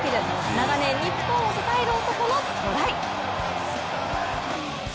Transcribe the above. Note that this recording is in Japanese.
長年日本を支える男のトライ。